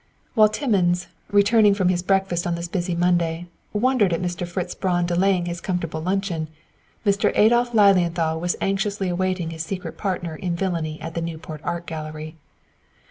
While Timmins, returning from his breakfast on this busy Monday, wondered at Mr. Fritz Braun delaying his comfortable luncheon, Mr. Adolph Lilienthal was anxiously awaiting his secret partner in villainy at the "Newport Art Gallery."